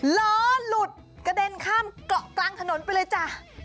ล้อหลุดกระเด็นข้ามเกาะกลางถนนไปเลยจ้ะ